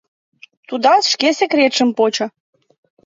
Тудат шке секретшым почо.